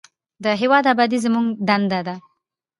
د هیواد ابادي زموږ دنده ده